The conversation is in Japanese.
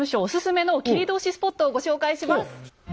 お薦めの切通スポットをご紹介します。